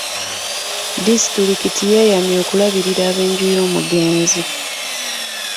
Disitulikiti yeeyamye okulabirira eb'enju y'omugenzi.